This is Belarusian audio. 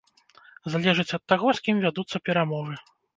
Залежыць ад таго, з кім вядуцца перамовы.